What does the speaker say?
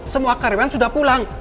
semua kariman sudah pulang